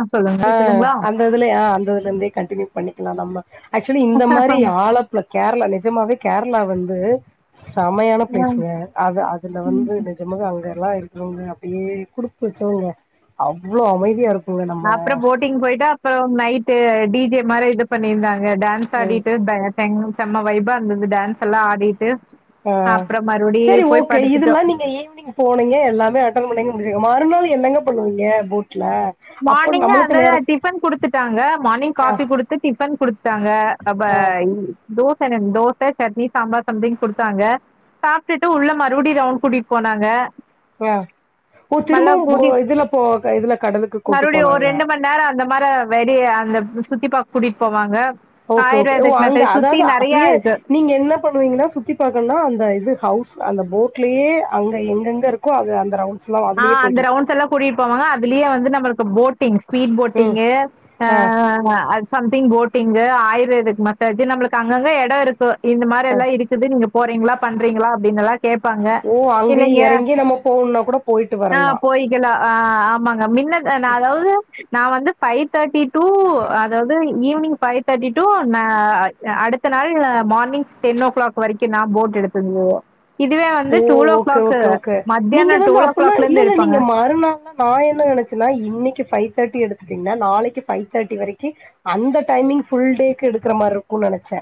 ஆ சொல்லுங்க ஆஹ் கேக்குதுங்களா அந்த இதுலே ஆஹ் அந்த இதுலருந்தே கண்டினியூ பண்ணிக்லா நம்ப ஆக்சுவலி இந்த மாரி ஆலப்ல கேரளால இருந் நிஜமாவே கேரளா வந்து செமயான பிளேஸுங்க அது அதுல வந்து நெஜமாக அங்க க்ளா இருக்னும்னு அப்டியே குடுத்து வச்சவங்க அவ்வளோ அமைதியா இருக்கு அப்புறம் போட்டிங் போயிட்டு அப்புறம் நைட் டு டி ஜே மாரி இது பண்ணியிருந்தாங்க டான்ஸ் ம் ஆடிட்டு ட இன்னு செம்ம வைபா இருந்தது டான்ஸ் எல்லா ஆடிட்டு ஆஹ் அப்புறோ மறுபடி சரி போய் ஓகே படுத்துட்டோ இதுல்லா நீங்க ஈவினிங் போனீங்க எல்லாமே அட்டன் பண்ணீங்க முடிஞ்சு மறுநாள் என்னெங்க பண்ணுவீங்க போட் மார்னிங்கே அது டிஃபன் குடுத்துட்டாங்க மார்னிங் ஆ காஃபி குடுத்து டிஃபன் குடுத்து த்தாங்க அப்ப ஆ தோ ச தோச சட்னி சாம்பார் சம்திங் கொடுத்தாங்க சாப்பிட்டுட்டு உள்ள மறுபடியு ரவுண்ட் கூட்டிட்டு போனாங்க உம் ஓ திரும்பவும் போ இதுல போ இதுல கடலுக்கு கூட்டு மறுபடி ஒரு போனாங்க ரெண்டு மணி நேரம் அந்த இந்த மாதிரி வெடி அந்த சுத்தி பார்க கூட்டிட்டு போவாங்க ஓகே ஓகே ஒ ஆயுர்வேதிக் அங்க மெத்தட் சுத்தி அதாவது நெறையா அப்படியே இருக்கு நீங்க என்ன பண்ணுவீங்கன்னா சுத்தி பாக்கனுனா அந்த இது ஹவுஸ் அந்த போட்லயே அவுங்க எங்கங்க இருக்கோ அது அந்த ரவுண்ட் ஆஹ் அந்த ரவுண்ட்ஸ் எல்லாம் கூட்டிட்டு போவாங்க அதுலயே வந்து நம்ம இப்ப போட்டிங் ஸ்பீட் ம் பொட்டிங்கு ஆ ஆ சம்திங் போ இங்க ஆயுர்வேதிக் மசாஜூ நம்ளுக்கு அங்கங்க எடருக்கு இந்த ஆ மாரியெல்லா இருக்குது நீங்க போறீங்களா பண்றீங்களா அப்டின்னுல்லா கேப்பாங்க ஓ அங்கயே இல்லைங்க எறங்கி நம்ம போணும்னா கூட போயிட்டு ஆ வரலா போயிக்கலா ஆ ஆமாங்க மின்னல் நா அதாவது நா வந்து ஃபைவ் தேட்டி டூ அதாவது ஈவினிங் ஃபைவ் தேட்டி டூ ந ஆ அடுத்த நாள் மார்னிங் டென் ஓ கிளாக் வரைக்கு நா போட் எடுத்த இதுவே வந்து ஓ டூவெவோ கிளாக்கு மத்தியான டூவெவோ ஃபுல்லா இல்ல இல்ல நீங்க மறுநாள் நா என்ன நெனச்சனா இன்னைக்கு ஃபைவ் தேட்டி எடுத்துட்டுங்னா நாளைக்கு ஃபைவ் தேட்டி வரைக்கு அந்த டைமிங் ஃபுல் டேக்கு எடுக்கறாமாறிருக்கு நெனச்சே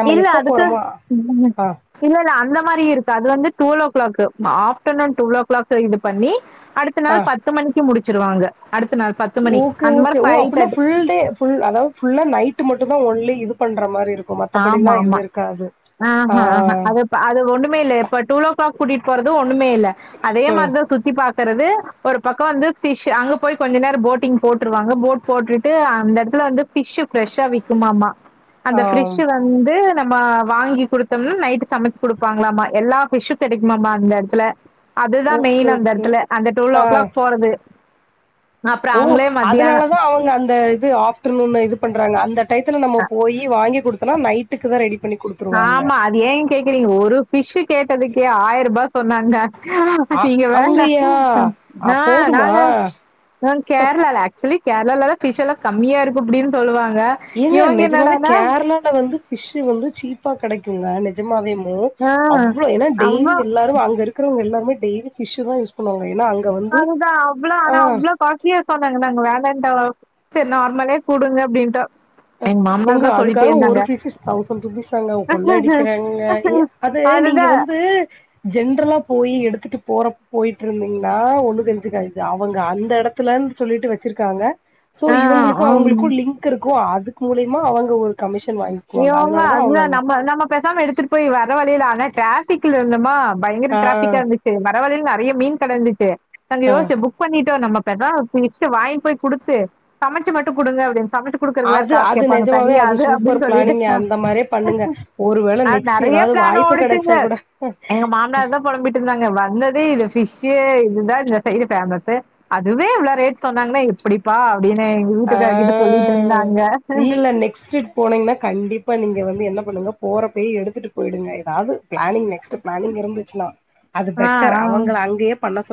நம்ம இல்ல எப்ப அதுக்கு போறோமோ ம் ஆ இல்லல்ல அந்த மாரி இருக்கு அது வந்து twelve o'clock afternoon twelve o'clock இது பண்ணி அடுத்த ஆ நாள் பத்து மணிக்கு முடிச் வச்சிருவாங்க ஓகே ஓகே ஓ அப்பனா ஃபுல் டே ஃபுல் அதாவது ஃபுல்லா நைட் மட்டு தா ஓன்லி இது பண் ஆமா ஆமா ஆ ஹ ஆ ஹா அது அது ஒண்ணமே இல்ல இப்ப டூவெல்லோ கிளாக் கூட்டிட் போறது ஒன் ஒண்ணுமே இல்ல அதே ம். மாரிதா சுத்தி பாக்குறது ஒரு பக்கொ வந்து ஃபிஷ் அங்க போய் கொஞ்ச நேரொ போட்டிங் போட்ருவாங்க போட் போட்டுட்டு அந்த எடத்துல வந்து ஃபிஷ் ஃப்ரெஷ்ஷா விக்குமாமா ஆ. அந்த ஃபிரிஷூ வந்து நம்ம வாங்கி குடுத்தம்னா நைட்டு சமைச்சு குடுப்பாங்ளாமா எல்லா பிஷூ கெடைக்குமாமமா அந்த எடத்துல அதுதா ஓகே, மெயின் அந்த ஓகே. எடத்துல அந்த டுவெல் ஆ. ஓ கிளாக் போறது அப்புறம் ஓ அவங்களே மத்தியானம் அதனாலதான் அவங்க அந்த சோ ஆஃப்ர்னூன் இது பண்றாங்க அந்த டயத்துல நம்ம போயி வாங்கி குடுத்தனா நைட்டுக்கு தா ரெடி பண்ணி குடுத்துருவாங்க. ஆமா அது ஏன் கேக்குறீங்க ஒரு ஃபிஷு கேட்டதுக்கே ஆயிரம் ரூபா சொன்னாங்க அ அங்கயா? [unintelligible] அ ஆ போதுமா? நாங்க ஆ கேரளால்ல ஆக்சுவலி கேரளாலெல்லா பிஷ் எல்லாம் கம்மியா இருக்கு அப்படின்னு சொல்லுவாங்க ஏங்க இவங்க நிஜமாவே என்னடானா கேரளால வந்து பிஷ் வந்து சீப் பா கெடைக்குங்க நிஜமாவே ஒ ஆ அவ்ளோ ஏன்னா அவ்ளோ டெய்லி எல்லாரும் அங்க இருக்கிறவங்க எல்லாரும் நாங்க டெய்லி பிஷுதா யூஸ் பண்ணுவோம் அதுதான் அவ்வளோ ஆனா அவ்வளோ காஸ்ட்லியா சொன்னாங்க நாங்க வேன் வேண்டா செரி நார்மலே குடுங்க அப்படின்ட்டோம் ஏங்க அதுக்காக ஒரு பீஸ்சஸ் தௌசண்ட் ரூப்பீசாங்க கொள்ளையடிக்குறாங்கங்க அது நீங்க அதுதா வந்து ஜென்றளா போய் எடுத்துட்டுப் போற போயிட்டு இருந்தீங்கன்னா ஒண்ணு தெரிஞ்சுக்காது அவங்க அந்த எடத்துலன்னுச் சொல்லிட்டு வெச்சிருக்காங்க சோ ஆ இவங்களுக்கும் ஆமா அவங்களுக்கும் லிங்க் இருக்கும் அத் மூலையமா அவங்க ஒரு கமிஷ் இவுங்க அந்த நம்ம நம்ம பேசாம எடுத் துட்டு போய் வர வழியில ஆன ட்ராபிக்ல இருந்தோமா பயங்கர ஆ டிராபிக்கா இருந்துச்சி வரவழில நெறைய மீன் கட இருந்துச்சி ஆ தங்கயோச்ச புக் பண்ணி [unintelligible] வாங்கி போய் கொடுத்து சமைச்சு மட்டு கொடுங்க அப்படின்னு சமைச்சி குடுக்குறதுக்கு வேற அது காசு அது கேப்பாங்க நெஜமாவே தனியா அது அப்படின்னு சூப்பர் பிளானிங்க சொல்லிட்டு அந்த மாதிரியே பண்ணுங்க ஒருவேள அது நெக்ஸ்ட் நெறைய ஏதாவது பிளான் வாய்ப்பு ஓடுச்சுங்க கிடைச்சா கூட அந்ததே இது பிஷு இதுதா இந்த சைடு ஃபேமசு அதுவே இவ்வள ரேட் சொன்னாங்கன்னா எப்படிப்பா ப்படின்னு எங்க ஆ வீட்டுக்கார்கிட்ட சொல்லிட்டு இருந்தாங்க இல்ல இல்ல நெக்ஸ்ட் ட்ரிப் போனீங்கன்னா கண்டிப்பா நீங்க வந்து என்ன பண்ணனு போற அப்பயே எடுத்துட்டு போயிடுங்க ஏதாவது பிளானிங் நெக்ஸ்ட் பிளானிங் இருந்துச்சுன்னா அது ஆ பெட்டர் ஆ அவங்கள அங்கயே பண்ண சொ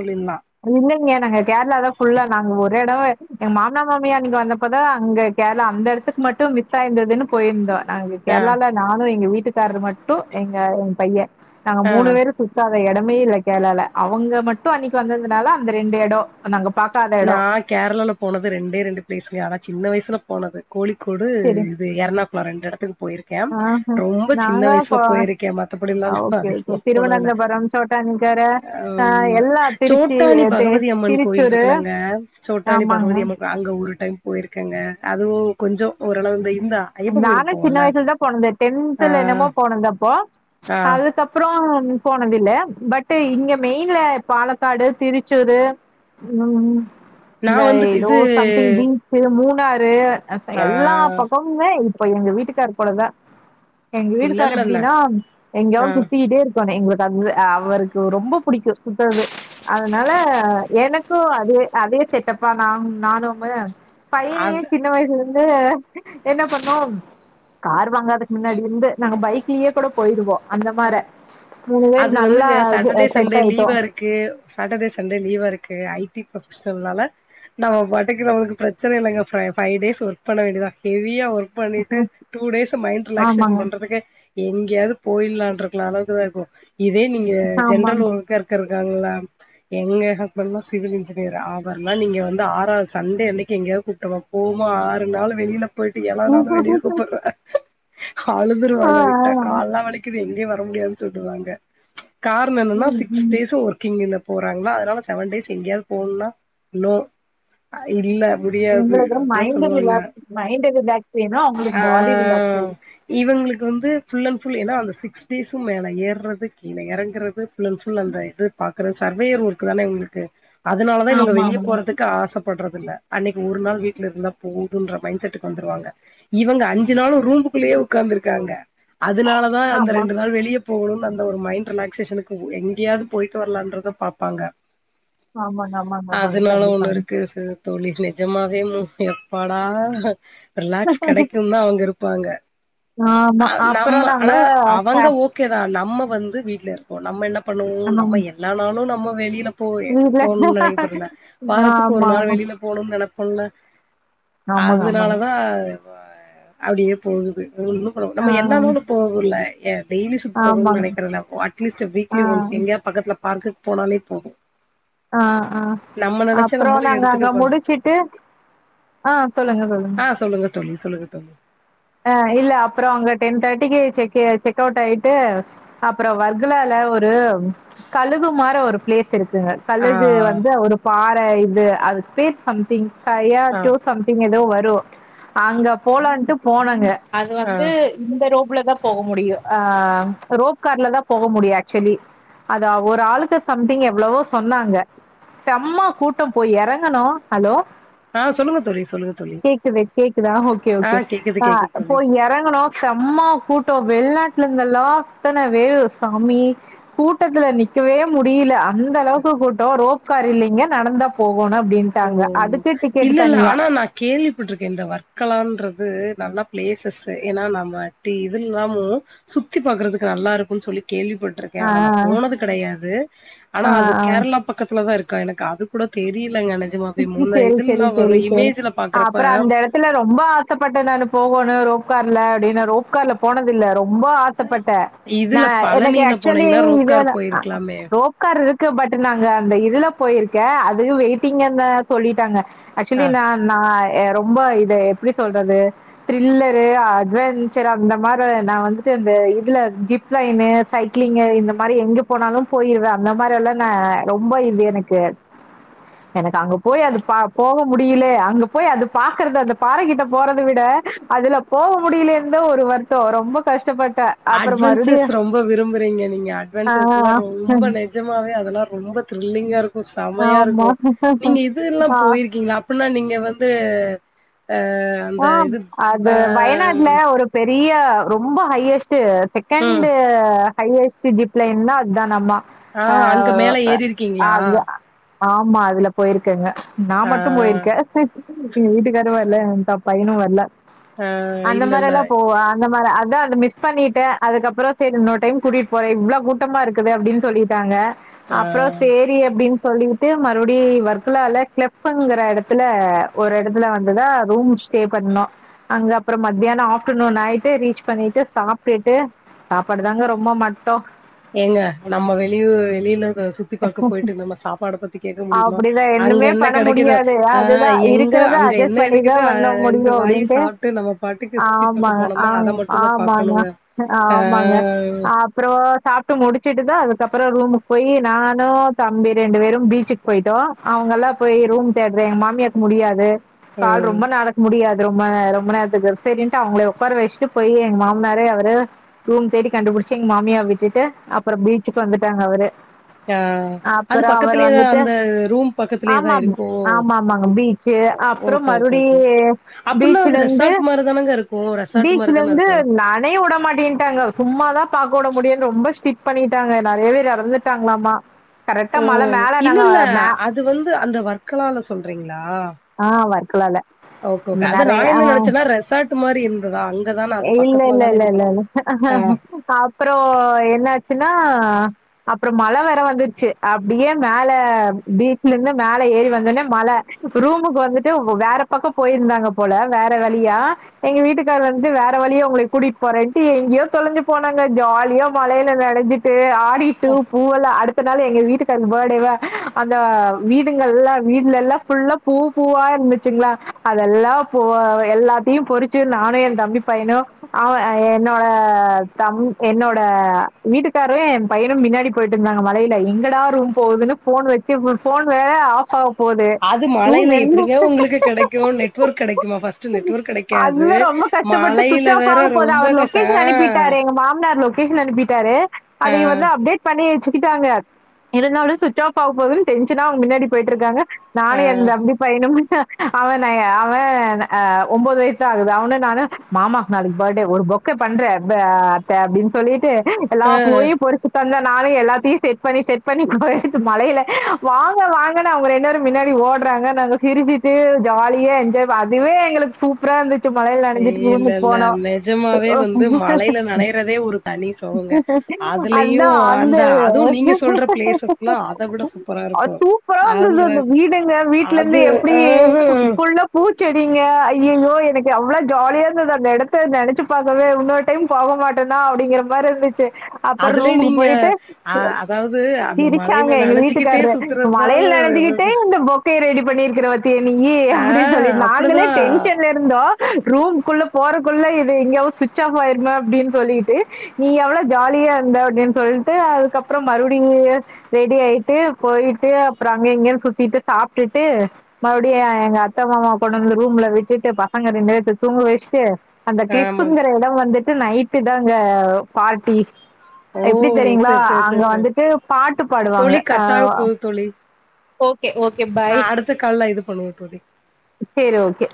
இல்லைங்க நாங்க கேரளா தா ஃபுல்லா நாங்க ஒரு இடமா எ மாமான மாமியா அங்க வந்தப்பதா அங்க கேரளா அந்த இடத்துக்கு மட்டும் மிஸ் ஆயிருந்ததுன்னு போயிருந்தோ நாங்க ஆ கேரளால நானு எங்க வீட் ட்டுக்காரரு மட்டு எங்க என் பையன் நாங்க ஆ மூணு பேரு சுத்தாத இடமே இல்ல கேரளால அவங்க மட்டு அன்னைக் வந்ததுனால அந்த ரெண்டு எடோ நாங்கப் நா கேரளால போனது ரெண்டே ரெண்டு ப்ளேஸ்ங்க ஆன சின்ன வயசுல போனது கோழிக்கோடு சரி இது எறநாக் வறண்ட இடத்துக் போயிருக்க ஆஹ ரொம்ப சின்ன நாங்க வயசுல போ போயிருக்க மத்தபடிலா நா ஓகே அதிகமா ஓகே போனதுல திருவனந்தபுரம் சோட்டானிக்கர ஆ ம் எல்லா திருச்சி சோட்டாணி தி பகவதி அம்மன் கோயில் இருக் திருச்சூரு இருக்கலாங்க சோட்டானி ஆமாங்க பகவதி அம்மன்அங்க ஒரு டைம் போயிருக்கேங்க அதுவு கொஞ்சோ ஓரளவு இந்த ஐயப்பன் நானு கோயிலுக்கு சின்ன போவோம்ல வயசுலதா போனது ஆ டென்த்ல என்னமோ போனதப்போ ஆ அதுக்கப்ரோ போனதில்ல பட்டு் இங்க மெயின்ல பாலக்காடு திருச்சூர் உம் நா இந்த வந்துட்டு ஏதோ இது சம்திங் பீன்ஸ் மூ ந்தாரு அப்ப ஆ எல்லா பக்கோ இப்போ எங்க வீட்டுக்கார் கூடதா எங்க இல்ல வீட்டுக்கார் இல்ல அண்ண எப்படின்னா ஆ எங்கயாவது சுத்திகிட்டே இருக்கனு எங்க தங்கு அவருக்கு ரொம்ப பிடிக்கு அவருக்கு ரொம்ப பிடிக்கு சுத்தறது அதனால எனக்கு அதே அதே செட்டப்பா நான் நானுமு அ பையனயே சின்ன வயசுல இரு வே என்ன பண்ணோம் கார் வாங்காதுக்கு மின்னாடி இருந்து நாங்க பைக்லயே கூட போயிடுவோ ஹ அது வந்துங்க சாட்டர்டே செட் சண்டே ஆயிட்டோ லீவா இருக்கு சாட்டர்டே சண்டே லீவா இருக்கு ஐ நம்ம பிரச்சனை நால நம்ம பாட்டுக்கு நமக்கு பிரச்சன இல்லங்க ஃபவ் டேஸ் ஒர்க் பண்ண வேண்டியத ஹெவியா ஒர்க் பண்ணிட்டு டூ டேஸ் மைண்ட் ரிலாக்சேஷன் ஆமாங்க பண்றதுக்கு எங்கேயாவது போயில் இலம் இருக்கலாம் அளவுக்குதா இப்போ இதே நீங்க ஜென்ரல் ஆமாங்க ஒர்க்கா இருக்க நல்லா எங்க ஹஸ்பண்ட் தா சிவில் இன்ஜினியர் அவர்ல்லா நீங்க வந்து ஆறாவது சண்டே அன்னைக்கு எங்காவது கூப்புட்டோம்னா போம்மா ஆறு நாள் வெளியில போயிட்டு எவனவன் வெளியே கூப்பிர்ரே ஆ அழுதுருவாங்க விட்டா ஆ கால் எல்லாம் வலிக்குது எங்கேயும் வர முடியாதுனு சொல்லுவாங்க காரணம் என்னென்னா ம் சிக்ஸ் ம் டேஸும் ஒர்க்கிங் இன போறாங்களா அதனால செவன் டேஸ் எங்கியாவது போகணும்னா நோ இல்ல முடியாது உங்களுக்கு அதா மைண்ட் சொல்லுவாங்க ரிலாக்ஸ் மைண்ட ரிலாக்ஸ் அவங்களுக்கு ஆ பாடி ரிலாக்ஸ் வேணும் இவங்களுக்கு வந்து ஃபுல் அண்ட் ஃபுல் ஏன்ன சிக்ஸ் டேஸும் மேலே ஏறது கீழே இறங்கறது ஃபுல் அண்ட் ஃபுல் அந்த இது பத் இருக்க சர்வேயர் ஒர்க் தான இவங்களுக்கு அதனால தான் இவங்க வெளியே ஆமாங்க போறதுக்கு ஆசைப்பட்றது அன்னைக்கு ஒரு நாள் வீட்ல இருந்தா போகுதுன்ற மைண்ட செட்க்கு வந்துருவாங்க இவங்க அஞ்சு நாாளும் ரூம்புக்குள்ளேயே உட்காந்துருக்காங்க அதனாலதா அ ஆமா ரெண்டு நாள் வெளியப் போணும் அந்த ஒரு மைண்ட் ரிலாக்சேஷனுக்கு. எங்கயாது பொயிட்டு வரலான்றத பாப்பாங்க ஆமாங்க அம்மாங்க அம்மாங்க அதனால ஒண்ணு கண்டிப்பாங்க இருக்கு ச தோழி நிஜம்மாவே மு எப்படா ரிலாக்ஸ் கெடைக்கும்னா அவங்க இரு. பாங்க ஆமா அப்பொறம் நாங்க.. ஃபே வாங்க ஓக்கே தா நம்ம வந்து வீட்லருக்கோம். நம்ம என்ன. பண்ணுவோ ம் நம்ம எல்லா நாளும் நம்ம வெளில போறே வீட்ல போணும்னு நினைபுவரும்ல வாரத்துக்கு ஒரு ஆமா நாள் ஆமா வெளில போணும் நெனப்.. [unintelligible] ஆமாங்க ஆமாங்க அதுனாலதான்... [inaudible] அப்டியே போகுது ஒன்னும் ப ஆ நம்ம எல்லாநாளும் போணுல ஏம் டெய்லி சுத்தணுனு ஆமாங்க நெனைக்கிறல்ல அட்லீஸ்ட் ஆ வீக்லி ஒன்ஸ் எங்கயாத் பக்கத்துல பார்க்குக்கு போனாலே போதும் ஆஹ்.. ஆஹ்.. அப்றோம் நம்மளு நாங்க எடுத்துட்டு அங்க போலா முடிச்சுட்டு, ஆஹ் சொல்லுங்க சொல்லுங்க. ஆ தோழி சொல்லுங்க தோழி ஆஹ் இல்ல அப்றோம் அங்க டென்தேர்டிக்கு செக்.... செக்கௌட் ஆயிட்டு அப்பொறம் வர்க்கலால ஒரு கழுகுமாற ஒரு ப்ளேஸ் இருக்குங்க. ஆ கழுகு வந்து ஒரு பாறை இது அது பேர் சம்திங் கையா ஆ டூ சம்திங் ஏதோ வர் ப்ரோ அங்க போலான்ட்டு போனோங்க அது ஆ வந்து... இந்த ரோ உள்ள தான் போக முடியும் ஆ.. ரோப்கார்ல தான் போக முடியும் ஆக்சுவலி. அத ஒரு ஆளுக்கு சம்திங் எவ்வளவோ சொன்னாங்க. செம்ம கூட்டம் போய் எறங்குணோம். ஹலோ.. ஆ சொல்லுங்க தோழி சொல்லுங்க தோழி கேக்குது கேக்குதா ஓகே.. ஆ ஓகே.. கேக்குது ஆஹ் கேக்குது தோழி போய் எறங்குணோம். செம்ம.. கூட்டம் வெளிநாட்டுல இருந்தெல்லா அத்தன வேறு சாமி, கூட்டத்துல நிக்கவே முடியல அந்த அளவுக்கு [inaudible] கூட்டம் ரோப்கார் இல்லைங்க நடந்துதா போகும் ஓ இல்ல இல்ல தனியா ஆனா நான் கேள்விப்பட்டட்டுருக்கேன் இந்த வர்க்கலான்றது நல்லா பிளேசஸ் ஏன்னா நம்மடி இது இல்லாமும் சுத்தி பாக்கறதுக்கு நல்லா இருக்கும்ன்னு சொல்லி கேள்விப்பட்டிருக்கேன் ஆ ஆனா நான் போனது கிடையாது ஆனா ஆ ஆ அது ஆ கேரளா பக்கத்துல தான் இருக்கு கா எனக்கு அது கூட தெரியலங்க எனக்கு சரி சரி சரி சரி பாக்குறப்ப அப்புறம் அந்த இடத்துல ரொம்ப ஆசைப்பட்டேன் நான் போகணும் உப்கார்ல அப்படின்னு ரோப் கார்ல போனதில்ல ரொம்ப ஆசைப்பட்டேன் இதுல நான் எனக்கு பழனியில ஆக்சுவலி போனீங்கன்னா இ ரோப்கார் போயிருக்கலாமே ரோப்கார் பட் நாங்க அந்த இதுல போயிருக்கே அது வெயிட்டிங் என்ன சொல்லிட்டாங்க ஆ அக்சுலி ந ந ரொம்ப இத எப்படி சொல்றது த்ரில்லரு அட்வெஞ்சர் அந்த மாதிரி நான் வந்துட்டு இந்த இதுல ஜிப் லைனு சைக்கிளிங்கு இந்த மாதிரி எங்க போனாலும் போயிருவேன் அந்த மாதிரி எல்லாம் நான் ரொம்ப இது எனக்கு எனக் அங்க போய் அது பாப்போம் முடியலே அங்க போய் அது பார்கறது அந்த பாறை கிட்ட போறதை விட அதுல போக முடியலேன் ஒரு வருத்தம் ரொம்ப கஷ்டப்பட்டு அட்வென்சர்ஸ் ரொம்ப விரும்புறீங்க நீங்க ஆ அட்வென்சர்ஸ் எல்லாம் ரொம்ப நெஜமாவே இதெல்லா ரொம்ப த்ரில்லிங்காருக்கு ஆமா. செமையாருக்கு நீங்க இது எல்லா ஆ போயிருக்கீங்களா அப்டின்னா நீங்க வந்து அந்த அ இது ப அது வயநாடுல ஒரு பெரி ரிய ரொம்ப ஹையஸ்ட் ன்ட்டு ம் செகண்ட்டு ஹையஸ்ட் ஜீப் லைன்னா அதுதானம்மா அ அங்க மேல ஏறிருக்கீங்களா அது ஆமா அதுல போயிருக்கங்க நா ஆ மட்டும் போயிருக்கே எங்க வீட்டுகாரு வரல்ல எங்க தம் பையனு வரல்ல ஆ அந்த இல்ல இல்ல மாரில்லா போவ அந்த மாரி அதான் அந்த மிஸ் பண்ணிக்கிட்டு அதுக்கப்புறோ செரி இன்னொ டைம் கூட்டிகிட்டு போறே இவ்ளோ கூட்டமா இருக்குது அப்டின்னு சொல்லிட்டாங்க ஆ அப்புறோ சேரி அப்டின் சொல்லிக்கிட்டு மறுபடியு வொர்க்லா‌ அத கிளப்ங்கிற எடத்துல ஒரு எடத்துல வந்து தா ரூம் ஸ்டே பண்ணோ அங்க அப்புறோ மத்தியானோ ஆஃப்டர்நூன் நைட்டு ரீச் பண்ணிட்டு சாப்ட்டுட்டு சாப்பாடுதாங்க ரொம்ப மட்டோ ஏங்க நம்ம வெளியூரு வெளியில சுத்தி பாக்க போயிட்டு நம்ம சாப்பாடப் பத்தி கேட்க முடியுமா அப்டிதா அங்க ஒண்ணுமே என்ன பண்ண கெடைக்குதோ முடியாது அ அதுதா எங்க இருக்கிறத அங்க என்ன அட்ஜஸ்ட் பண்ணிதா இருக்குதோ அ பண்ண முடியு ரெண்டு வாய் அப்படின்ட்டு சாப்ட்டு நம்ம பாட்டுக்கு சுத்தி பாக்க ஆமாங்க போனோமா அ அத மட்டுந்தா ஆமாங்க பாக்கணுங்க ஆ ஆமாங்க அப்புறோ சாப் க்கு முடிச்சுட்டு தா அதுக்கப்புறோ ரூமுக்கு போய் நானு தம்பி ரெண்டு பேரு பீச்சுக்கு போயிட்டோ அவுங்கெல்லா போய் ரூம் தேடுற எங்க மாமியாவுக்கு முடியாது பால் ம் ரொம்ப நா ட்டி அது ரொம்ம ரொம்ம நேரத்துக்கு செரின்ட்டு அவுங்கள உட்கார வச்சுட்டு போய் எங்க மாமனாரே அவுரு ரூம் தேடி கண்டுபிடிச்சு எங்க மாமியாவ விட்டுட்டு அப்றோ பீச்சுக்கு வந்துட்டாங்க அவுரு ஆ அது பக்கத்திலயேதா அந்த ரூம் பக்கத்திலயேதா ஆமாமா. இருக்கோ ஆமாமாங்க. ஓகே ஓகே அப்புன்னா அது பீச்சிலருந்து ரெசார்ட் மாரி தானங்க இருக்கு ரெசார்ட் மாரி தான பீச்லருந்து இருக்கு நடயே உடமாட்டேட்டாங்க சும்மாதா ப ஆ கோட முடியுனு ரொம்ப ஸ்ட்ரிட் பண்ணிட்டாங்க நறையவேரு எறந்துட்டாங்ளாமா கரெக்டா ஓ மல மேல நாங்க மே க்ளால சொல்றீங்க லா ஆ வர்க்கலால ஓகோ ஓகே அத நா நெறைய என்ன ஆ நெனச்சனா ரெசார்ட் மாரி இருந்துதா அங் இல்ல இல்ல இல்ல ல்ல ஆ ல்ல அப்றோ என்னாச்சினா அ அப்றோ மல வேற வந்துச்சு அப்டியே மேல பீச்லருந்து மேல ஏறி வந்தோனே மல ரூமுக்கு வந்துட்டு வேற பக்கோ போயிருந்தாங்க போல வேற வலியா எங்க வீட்டுக்கார் வந் து வேற வழிய உங்களை கூட்டிட் போறேன்ட்டு எங்கயோ தொலஞ்சு போனாங்க ஜாலியா மலயில நனஞ்சிட்டு ஆடிட்டு பூவல அடுத் இத்தன்ன நாளு எங்க வீட்டுக்காரூக்கு பர்ட்டேவா அந்த வீடுங்கள் எல்லா வீட்ல எல்லா ஃபுல்லா பூ பூவா இருந்துசுங்களா அதெல்லா போ எல்லாத்தையு பொறிச்சு நானு எ தம்பி பையனு அவ என்னோட தம் என்னோட வீட்டுக்காரு என் பையனு மின்னாடி போயிட்டு இருந்தாங்க மலையில எங்கட ரூம் போவுதுனு ஃபோன் வச்சு போன் வேற ஆஃப் ஆவ அது மலையில எப்படிங்க உங்களுக்கு கிடக்கு நெட்ஒொர்க் கிடைக்குமா ஃபஸ்ட் நெட்வொர்க் கிடக்காது மா ந்து சுவிட்ச் ஆஃப் ஆக போது அவர் லொக்கேஷன் அனுப்பிட்டாரு எங்க மாமனார் லொக்கேஷன் அன்பிட்டாரு ஆ அதை வந்து அப்டேட் பண்ணி சுத்திட்டாங்க இருந்தாலு சுவிட்ச் ஆஃப் ஆக போதுனு டென்ஷனா அவுங்க முன்னாடி போயிட்ருக்காங்க ஆ நானு ஆ என் தம்பி பையனு அவ நய அவ ஆ ஒன்பது வயசு தா ஆகுது அவனு நானு மாமாக் நாளக்கி பர்த்டே ஒரு பொக்கே பண்ற அத்த அப்டினு சொல்லிட்டு எல்லா ஆ போயும் பொறிச்சுதந்த நானு எல்லாத்தையு செட் பண்ணி செட் பண்ணி மலைல வாங்க வாங்கனு அவுங்க ரென்டு பேரு மின்னாடி ஓட்றாங்க நாங்க சிரிபிட்டு ஜாலியா என்ஜாய் அதுவே எங்களுக் சூப்பரா இருந் ட்டு மழல நனஞ்சிட் இல்ல ஊனு இல்ல போன நெஜமாவே அ வந்து மழையில நனையறதே ஒரு தனி சொகங்க அதுலயு அந்த அதுவு நீங்க சொல்ற பிளேசஸ்லா அத விட சூப்பரா இருக்கு சூப்பரா ஆந்திர இருந்தது அந்த வீடுங்க வீடல அது இருந்து எப்படி ஆ புல்ல பூச்சடிங்க அய்யோ எனக்கு அவ்ளோ ஜாலியா அந்த இடத்த நினைச்சு பாக்கவே இன்னொரு டைம் போவ மாட்டனா அப்டிங்ற மாரி இருந்துச்சு அப்றோ அதுலயும் ரூமுக்கு நீங்க போயிட்டு அ அதாவது அந்த மழையில சிரிச்சாங்க எங்க நனைஞ்சுக்கிட்டே வீட்டுக்கார்ரு சுத்துறதுதான் மலைல நனஞ்சுகுட்டு இந்த பொக்கைய ரெடி பண்ணிருக்கிற வத்திய நீயு ஆ அப்டினு சொல்லி நாங்களே அப்படிதான் டென்ஷன்ல இருந்தோ ரூமுகுள்ள போறக்குள்ள இது எங்கயா சுவிட்ச் ஆஃப் ஆயிருமே அப்டினு சொல்லிட்டு நீ எவ்ளோ ஜாலியா இருந்த அப்டினு சொல்ட்டு அதுக்கப்றோ மறுபடியு ரெடி ஆயிட்டு போயிட்டு அப்புறம் அங்க இங்கேயனு சுத்திட்டு சாப்ட்டுட்டு மறுபடியு எங்க அத்த மாமா கூட வந்து ரூம்ல விட்டுட்டு பசங்க ரெண்டுவேத்த தூங்க வச்சுட் தே அந்த ஆமா கிளிப்புங்ற எட வந்துட்டு க் நைட்டு தாங்க பார்டி ஓ எப்டி தெரியுங்ளா சரி சரி அங்க சரி சரி வந்துட்டு பாட்டு பாடுவாங்க தோழி அ கட்டாக ஒ போகுது தோழி ஒக்கே ஓகே ஆ பாய் அடுத்த கால்ல இது பண்ணுவோம் தோழி சேரி ஓகே